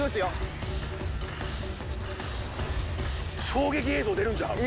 衝撃映像出るんちゃう？